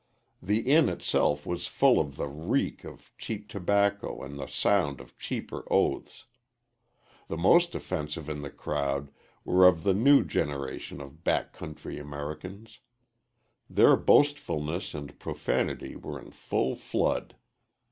The inn itself was full of the reek of cheap tobacco and the sound of cheaper oaths. The most offensive in the crowd were of the new generation of back country Americans. Their boastfulness and profanity were in full flood.